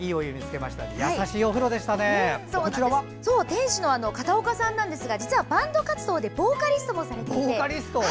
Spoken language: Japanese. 店主の片岡さんですが実はバンド活動でボーカリストもされていて。